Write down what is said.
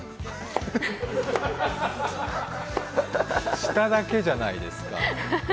下だけじゃないですか。